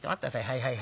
はいはい。